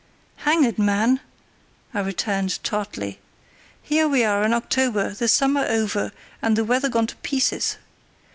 "Hang it, man!" I returned, tartly, "here we are in October, the summer over, and the weather gone to pieces.